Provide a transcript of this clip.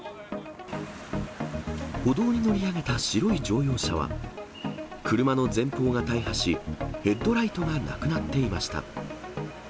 歩道に乗り上げた白い乗用車は、車の前方が大破し、ヘッドライトがなくなっていました。